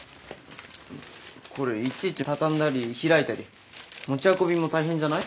これいちいち畳んだり開いたり持ち運びも大変じゃない？